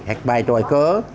hoặc bài tròi cớ